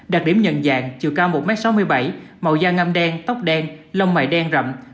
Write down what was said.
đặc điểm nhận dạng chiều cao một m sáu mươi bảy màu da ngâm đen tóc đen lông mày đen rậm